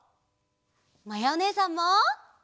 まやおねえさんも！